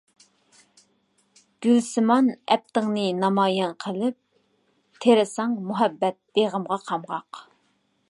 گۈلسىمان ئەپتىڭنى نامايان قىلىپ، تېرىساڭ مۇھەببەت بېغىمغا قامغاق.